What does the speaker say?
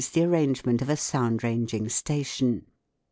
Arrangement of a sound ranging station.